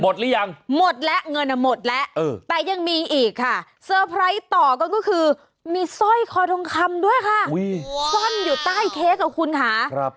หรือยังหมดแล้วเงินหมดแล้วแต่ยังมีอีกค่ะเซอร์ไพรส์ต่อก็คือมีสร้อยคอทองคำด้วยค่ะซ่อนอยู่ใต้เค้กกับคุณค่ะ